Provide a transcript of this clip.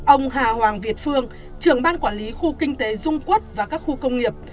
ông hà hoàng việt phương trưởng ban quản lý khu kinh tế dung quốc và các khu công nghiệp